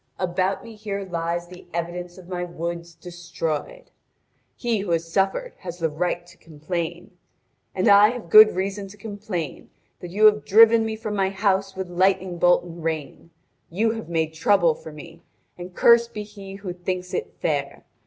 About me here lies the evidence of my woods destroyed. He who has suffered has the right to complain. And I have good reason to complain that you have driven me from my house with lightning bolt and rain. You have made trouble for me, and cursed be he who thinks it fair.